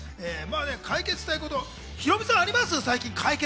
解決したいこと、ヒロミさんはありますか？